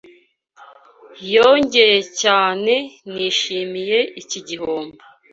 Yongeye cyanenishimiye iki gihombo.